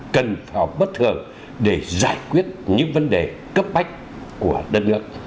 cần họp bất thường để giải quyết những vấn đề cấp bách của đất nước